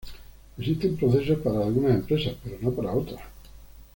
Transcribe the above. Existen procesos para algunas empresas, pero no para otras.